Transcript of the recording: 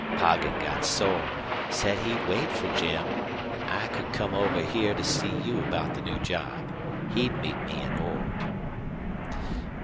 Poggin got sore, said he'd wait for Jim, an' I could come over here to see you about the new job. He'd meet me in Ord."